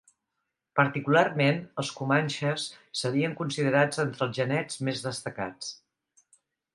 Particularment els comanxes serien considerats entre els genets més destacats.